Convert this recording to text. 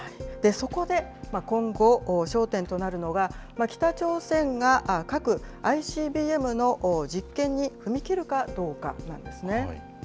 そこで、今後、焦点となるのが、北朝鮮が核・ＩＣＢＭの実験に踏み切るかどうかなんですね。